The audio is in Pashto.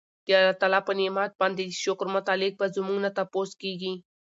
د الله په نعمت باندي د شکر متعلق به زمونږ نه تپوس کيږي